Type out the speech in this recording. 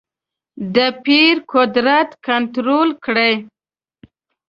د پیر قدرت کنټرول کړې.